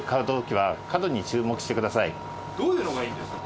どういうのがいいんですか？